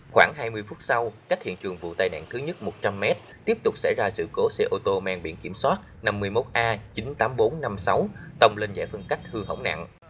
khoảng hai mươi phút sau cách hiện trường vụ tai nạn thứ nhất một trăm linh m tiếp tục xảy ra sự cố xe ô tô mang biển kiểm soát năm mươi một a chín mươi tám nghìn bốn trăm năm mươi sáu tông lên giải phân cách hư hỏng nặng